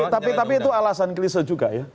tapi itu alasan klise juga ya